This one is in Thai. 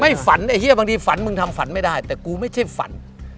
ฝันไอ้เฮียบางทีฝันมึงทำฝันไม่ได้แต่กูไม่ใช่ฝัน